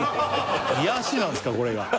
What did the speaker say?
癒やしなんですかこれが？